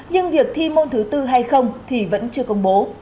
nhưng việc thi môn thứ tư hay không thì vẫn chưa công bố